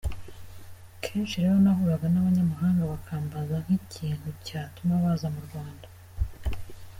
Kenshi rero nahuraga n’abanyamahanga bakambaza nk’ikintu cyatuma baza mu Rwanda.